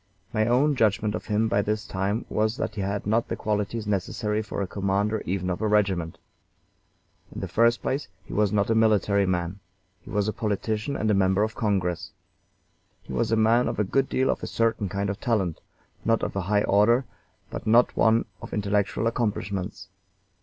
My own judgment of him by this time was that he had not the qualities necessary for commander even of a regiment. In the first place, he was not a military man; he was a politician and a member of Congress. He was a man of a good deal of a certain kind of talent, not of a high order, but not one of intellectual accomplishments.